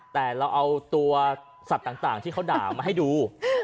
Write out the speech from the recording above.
แต่เราเอาตัวสัตว์ต่างที่เขาด่ามาให้ดู